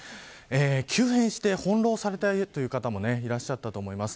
急変して、翻弄されたという方もいらっしゃったと思います。